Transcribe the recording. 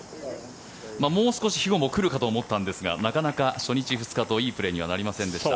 もう少しヒゴも来るかと思ったんですがなかなか初日、２日といいプレーにはなりませんでした。